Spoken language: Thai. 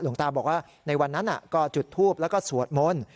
หลวงตาบอกว่าในวันนั้นก็จุดทูปแล้วก็สวดมนต์